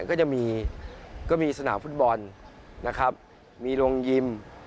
ก็จะมีสนามฟุตบอลมีโรงยิม